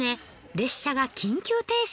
列車が緊急停止。